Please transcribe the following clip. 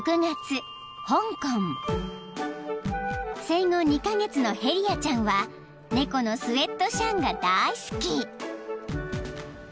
［生後２カ月のヘリアちゃんは猫のスエット・シャンが大好き］